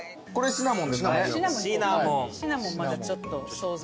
シナモンまたちょっと想像が。